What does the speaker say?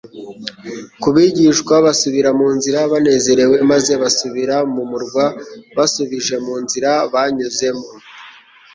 ku bigishwa, basubira mu nzira banezerewe maze basubira mu murwa basubije mu nzira banyuzemo.